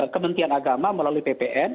kementian agama melalui ppn